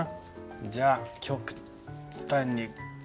じゃあ極端に。